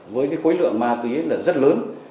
với khối lượng ma túy rất lớn